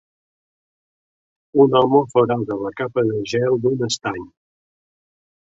Un home forada la capa de gel d'un estany.